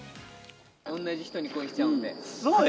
同じ人に恋しちゃうんで。